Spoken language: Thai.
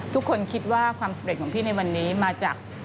ทุกคนคิดว่าความสำเร็จของพี่ในวันนี้มาจาก